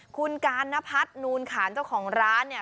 คุณกานนพัฒนูนขานเจ้าของร้านเนี่ย